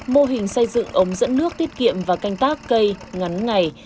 mô hình xây dựng ống dẫn nước tiết kiệm và canh tác cây ngắn ngày